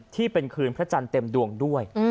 ที่เป็นคืนพระจันทร์เต็มดวงด้วย